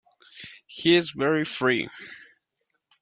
He's very free.